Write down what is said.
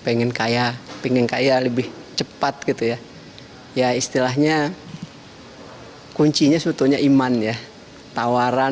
pengen kaya pengen kaya lebih cepat gitu ya ya istilahnya kuncinya sebetulnya iman ya tawaran